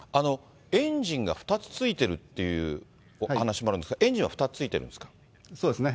エンジンが２つついてるっていうお話もあるんですが、エンジそうですね。